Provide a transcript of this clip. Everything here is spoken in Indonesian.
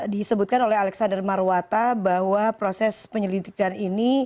disebutkan oleh alexander marwata bahwa proses penyelidikan ini